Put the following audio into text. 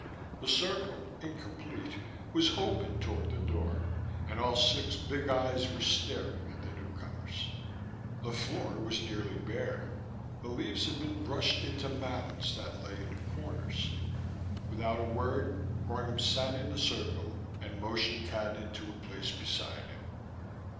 The circle, incomplete, was open toward the door, and all six big eyes were staring at the newcomers. The floor was nearly bare: the leaves had been brushed into mounds that lay in the corners. Without a word, Gornom sat in the circle and motioned Cadnan to a place beside him.